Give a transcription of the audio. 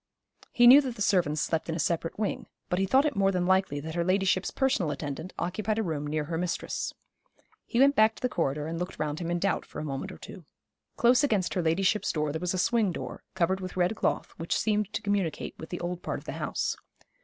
He knew that the servants slept in a separate wing; but he thought it more than likely that her ladyship's personal attendant occupied a room near her mistress. He went back to the corridor and looked round him in doubt, for a moment or two. Close against her ladyship's door there was a swing door, covered with red cloth, which seemed to communicate with the old part of the house.